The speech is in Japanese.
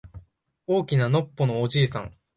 大きなのっぽのおじいさん